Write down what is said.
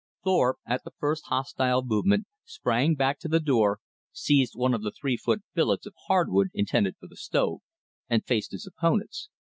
Thorpe, at the first hostile movement, sprang back to the door, seized one of the three foot billets of hardwood intended for the stove, and faced his opponents.